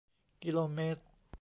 กิโลเมตร